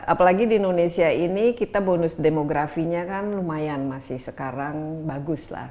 apalagi di indonesia ini kita bonus demografinya kan lumayan masih sekarang bagus lah